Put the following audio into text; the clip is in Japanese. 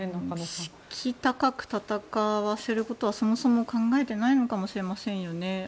士気高く戦わせることはそもそも考えていないのかもしれませんよね。